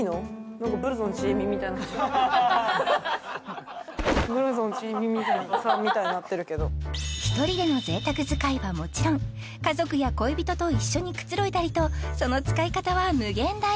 何かブルゾンちえみみたいになってるけど１人での贅沢使いはもちろん家族や恋人と一緒にくつろいだりとその使い方は無限大